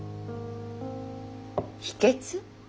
秘けつ？